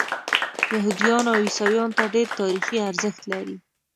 یهودیانو او عیسویانو ته ډېر تاریخي ارزښت لري.